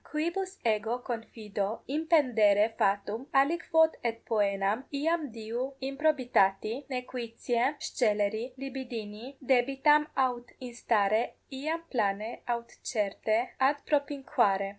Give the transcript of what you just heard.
Quibus ego confido impendere fatum aliquod et poenam iam diu 11 improbitati, nequitiae, sceleri, libidini debitam aut instare iam plane aut certe adpropinquare.